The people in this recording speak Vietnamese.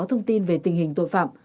thông tin về tình hình tội phạm